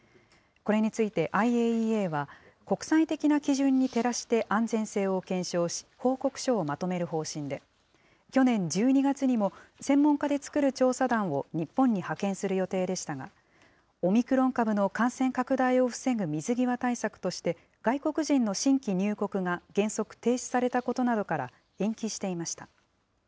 これについてＩＡＥＡは、国際的な基準に照らして安全性を検証し、報告書をまとめる方針で、去年１２月にも専門家で作る調査団を日本に派遣する予定でしたが、オミクロン株の感染拡大を防ぐ水際対策として、外国人の新規入国が原則停止されたことなどから、延期していました。